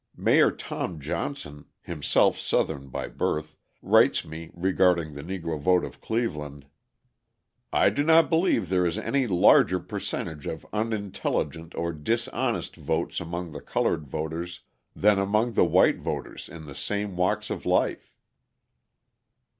Mayor Tom Johnson, himself Southern by birth, writes me regarding the Negro vote of Cleveland: "I do not believe there is any larger percentage of unintelligent or dishonest votes among the coloured voters than among the white voters in the same walks of life."